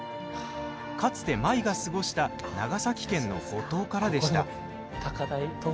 かつて舞が過ごした長崎県の五島からでした。